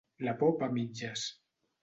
La por va a mitges.